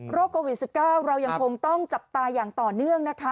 โควิด๑๙เรายังคงต้องจับตาอย่างต่อเนื่องนะคะ